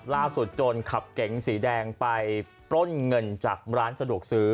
จนขับเก๋งสีแดงไปปล้นเงินจากร้านสะดวกซื้อ